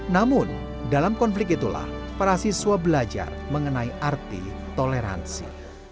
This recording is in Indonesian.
namun dalam konflik itulah para siswa belajar mengenai arti toleransi